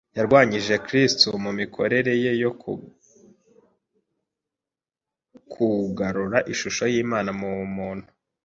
Yarwanije Kristo mu mikorero ye yo kugarura ishusho y’Imana mu muntu